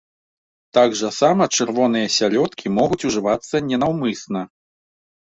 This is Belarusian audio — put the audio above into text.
Так жа сама чырвоныя сялёдкі могуць ужывацца ненаўмысна.